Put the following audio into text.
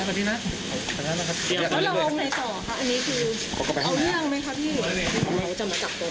ย่องพูดอะไรมาก่อน